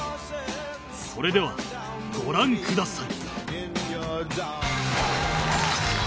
それではご覧ください